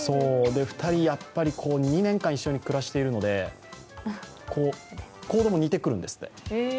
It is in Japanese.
２人２年間一緒に暮らしているので、行動も似てくるんですって。